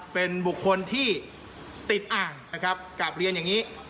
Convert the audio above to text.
เป็นบุคคลที่ติดอ่างนะครับกลับเรียนอย่างนี้